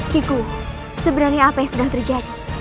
kiku sebenarnya apa yang sedang terjadi